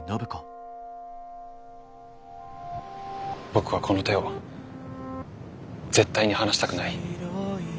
僕はこの手を絶対に離したくない。